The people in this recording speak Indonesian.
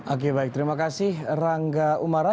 oke baik terima kasih rangga umara